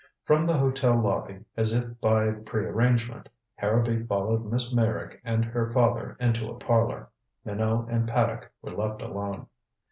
From the hotel lobby, as if by prearrangement, Harrowby followed Miss Meyrick and her father into a parlor. Minot and Paddock were left alone.